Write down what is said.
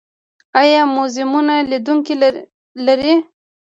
آیا موزیمونه لیدونکي لري؟